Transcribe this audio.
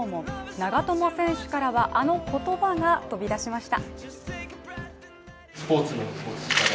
長友選手からはあの言葉が飛び出しました。